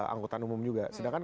anggota umum juga sedangkan